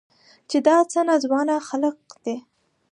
چې دا څه ناځوانه خلق دي.